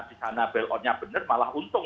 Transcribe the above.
disana bailoutnya benar malah untung